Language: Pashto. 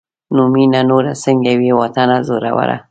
نو مينه نوره سنګه وي واطنه زوروره